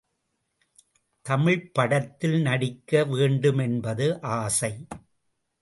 தமிழ்ப் படத்தில் நடிக்க வேண்டுமென்பது ஆசை.